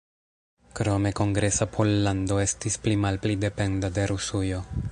Krome Kongresa Pollando estis pli-malpli dependa de Rusujo.